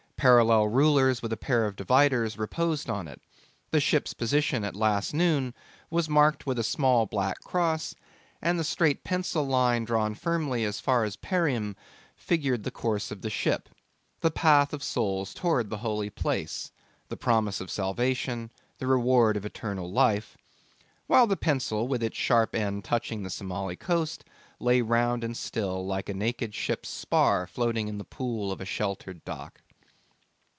Parallel rulers with a pair of dividers reposed on it; the ship's position at last noon was marked with a small black cross, and the straight pencil line drawn firmly as far as Perim figured the course of the ship the path of souls towards the holy place, the promise of salvation, the reward of eternal life while the pencil with its sharp end touching the Somali coast lay round and still like a naked ship's spar floating in the pool of a sheltered dock.